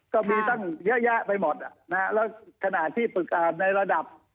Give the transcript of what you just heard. ก็มีตั้งเยอะแยะไปหมดแล้วขณะที่ฝึกในระดับ